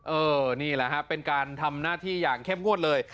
นี่แหละครับเป็นการทำหน้าที่อย่างเข้มงวดเลย